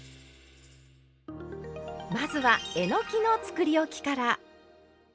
まずはえのきのつくりおきから。